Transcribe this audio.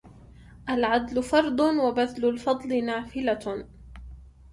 العدل فرض وبذل الفضل نافلة